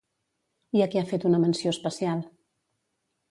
I a qui ha fet una menció especial?